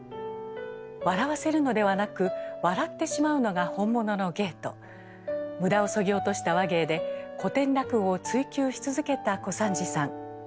「笑わせるのではなく笑ってしまうのが本物の芸」と無駄をそぎ落とした話芸で古典落語を追究し続けた小三治さん。